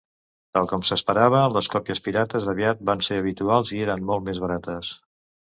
Tal com s'esperava, les còpies pirates aviat van ser habituals i eren molt més barates.